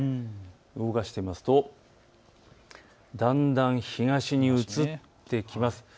動かしてみるとだんだん東に移ってきます。